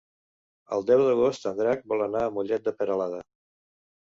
El deu d'agost en Drac vol anar a Mollet de Peralada.